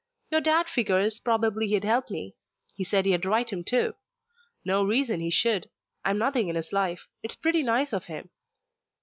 Your dad figures probably he'd help me. He said he'd write him, too. No reason he should. I'm nothing in his life. It's pretty nice of him."